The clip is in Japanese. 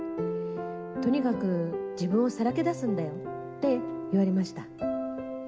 とにかく自分をさらけ出すんだよって言われました。